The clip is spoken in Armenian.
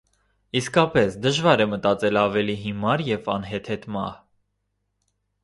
Իսկապես, դժվար է մտածել ավելի հիմար և անհեթեթ մահ։